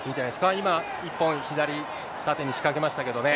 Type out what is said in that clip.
今、１本左、縦に仕掛けましたけどね。